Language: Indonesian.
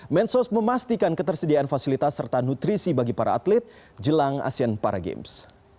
mensos memastikan ketersediaan fasilitas serta nutrisi bagi para atlet jelang asean para games